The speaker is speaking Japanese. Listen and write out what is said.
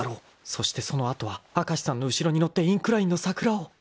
［そしてその後は明石さんの後ろに乗ってインクラインの桜を］